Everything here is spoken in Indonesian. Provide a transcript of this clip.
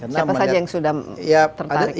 siapa saja yang sudah tertarik